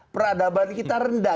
peradaban kita rendah